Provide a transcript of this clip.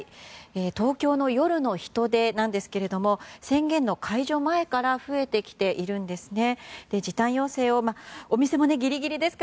東京の夜の人出なんですが宣言の解除前から増えてきているんですね。